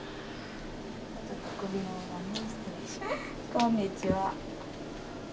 こんにちは。